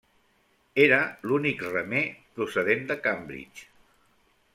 Era l'únic remer procedent de Cambridge.